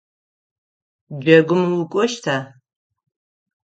Джэгум укӏощта?